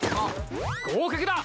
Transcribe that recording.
合格だ！